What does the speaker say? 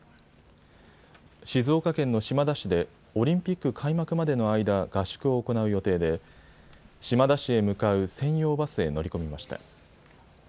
静岡県の島田市でオリンピック開幕までの間、合宿を行う予定で島田市へ向かう専用バスへ乗り込みました。